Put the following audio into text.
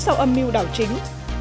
cia đứng sau âm mưu đảo chính